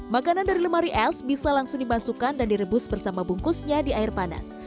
makanan dari lemari es bisa langsung dimasukkan dan direbus bersama bungkusnya di air panas